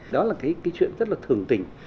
đó là cái chuyện rất là thường tình